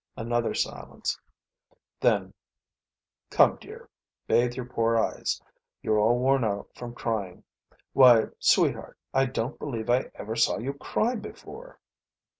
Another silence. Then: "Come, dear. Bathe your poor eyes. You're all worn out from crying. Why, sweetheart, I don't believe I ever saw you cry before."